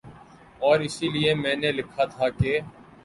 اور اسی لیے میں نے لکھا تھا کہ